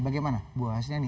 bagaimana bu hasne ini